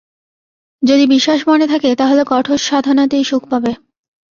যদি বিশ্বাস মনে থাকে তা হলে কঠোর সাধনাতেই সুখ পাবে।